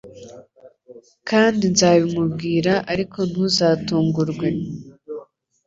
kandi nzabimubwira ariko ntuzatungurwe